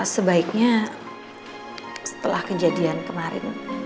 sebaiknya setelah kejadian kemarin